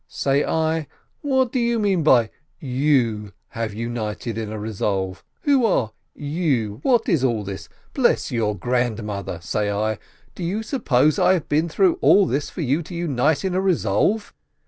Say I, "What do you mean by 'you' have united in a resolve? Who are 'you'? What is all this? Bless your grandmother," say I, "do you suppose I have been through all this for you to unite in a resolve